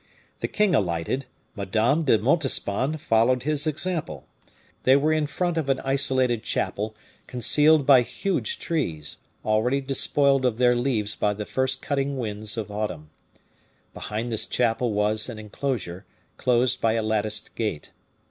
The king alighted; Madame de Montespan followed his example. They were in front of an isolated chapel, concealed by huge trees, already despoiled of their leaves by the first cutting winds of autumn. Behind this chapel was an inclosure, closed by a latticed gate.